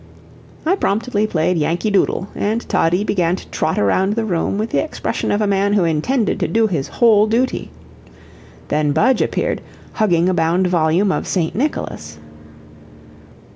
I promptly played "Yankee Doodle," and Toddie began to trot around the room with the expression of a man who intended to do his whole duty. Then Budge appeared, hugging a bound volume of "St. Nicholas."